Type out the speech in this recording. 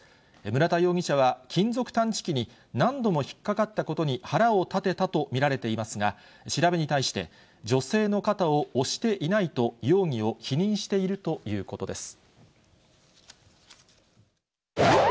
村田容疑者は金属探知機に何度も引っ掛かったことに腹を立てたと見られていますが、調べに対して、女性の肩を押していないと容疑を否認しているということです。